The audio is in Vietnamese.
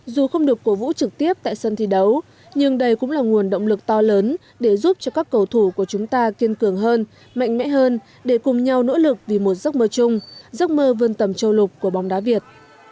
dù không được cổ vũ trực tiếp tại sân thi đấu nhưng đây cũng là nguồn động lực to lớn để giúp cho các cầu thủ của chúng ta kiên cường hơn mạnh mẽ hơn để cùng nhau nỗ lực vì một giấc mơ chung giấc mơ vươn tầm châu lục của bóng đá việt